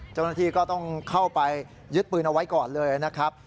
เจ้าหน้าที่ก็ต้องเข้าไปยึดปืนเอาไว้ก่อนเลยนะครับ